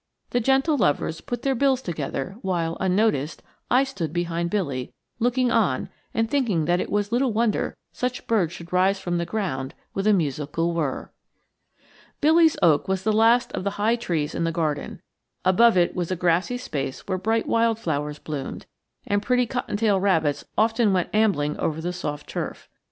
The gentle lovers put their bills together, while, unnoticed, I stood behind Billy, looking on and thinking that it was little wonder such birds should rise from the ground with a musical whirr. Billy's oak was the last of the high trees in the garden. Above it was a grassy space where bright wild flowers bloomed, and pretty cottontail rabbits often went ambling over the soft turf.